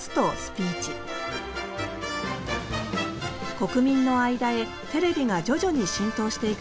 国民の間へテレビが徐々に浸透していく中